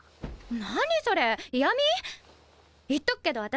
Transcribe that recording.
何それイヤミ⁉言っとくけど私